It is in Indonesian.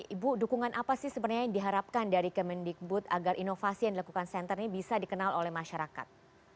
ibu dukungan apa sih sebenarnya yang diharapkan dari kemendikbud agar inovasi yang dilakukan center ini bisa dikenal oleh masyarakat